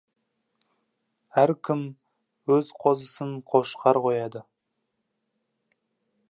Әркім өз қозысын қошқар қояды.